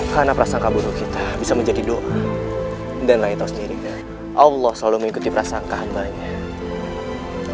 karena prasangka buruk kita bisa menjadi doa dan rai tahu sendiri allah selalu mengikuti prasangkaan banyak